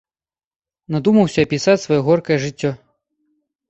Надумаўся апісаць сваё горкае жыццё.